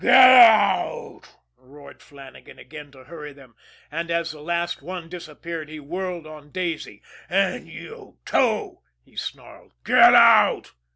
"Get out!" roared Flannagan again to hurry them, and, as the last one disappeared, he whirled on Daisy. "And you, too!" he snarled. "Get out!"